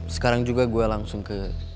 sekarang juga gue langsung ke